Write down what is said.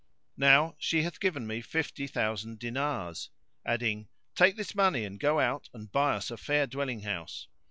Now she hath given me fifty thousand dinars," adding, "Take this money and go out and buy us a fair dwelling house."